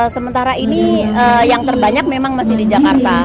sementara ini yang terbanyak memang masih di jakarta